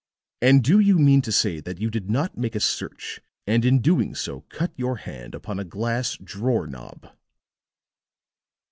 And do you mean to say that you did not make a search, and in doing so cut your hand upon a glass drawer knob?"